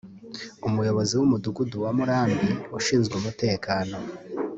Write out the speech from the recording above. umuyobozi mu mudugudu wa Murambi ushinzwe umutekano